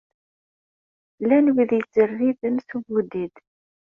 Llan wid yettzerriben s ubudid.